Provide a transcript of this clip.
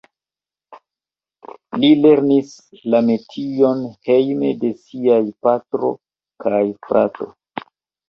Li lernis la metion hejme de siaj patro kaj frato.